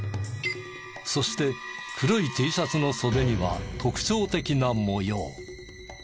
そして黒いＴシャツの袖には特徴的な模様。